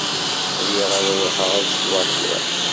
Riɣ ad ṛuḥeɣ ad sweɣ kra.